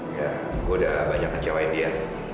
ya gue udah banyak ngecewain dia